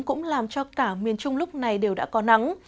cũng làm cho cả miền trung lúc này đều đã có nắng